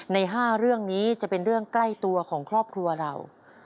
ใน๕เรื่องนี้จะเป็นเรื่องใกล้ตัวของครอบครัวเรา